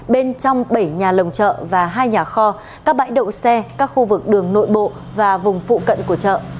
bên trong bảy nhà lồng chợ và hai nhà kho các bãi đậu xe các khu vực đường nội bộ và vùng phụ cận của chợ